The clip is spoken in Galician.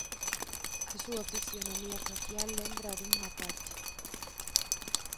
A súa fisionomía facial lembra a dun mapache.